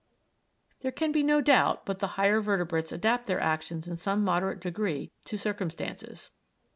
There can be no doubt but the higher vertebrates adapt their actions in some moderate degree to circumstances.